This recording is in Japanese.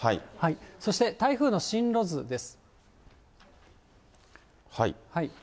そして台風の進路図です。